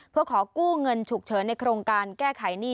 เพื่อขอกู้เงินฉุกเฉินในโครงการแก้ไขหนี้